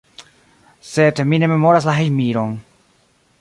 Sed mi ne memoras la hejmiron.